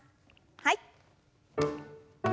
はい。